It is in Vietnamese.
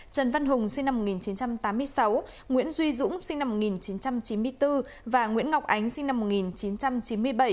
trần văn hùng sinh năm một nghìn chín trăm tám mươi sáu nguyễn duy dũng sinh năm một nghìn chín trăm chín mươi bốn và nguyễn ngọc ánh sinh năm một nghìn chín trăm chín mươi bảy